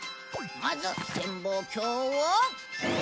まず潜望鏡を。